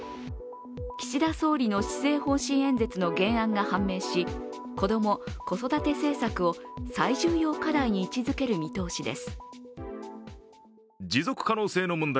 岸田総理の施政方針演説の原案が判明し子ども・子育て政策を最重要課題に位置づける見通しです。